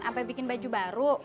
apa bikin baju baru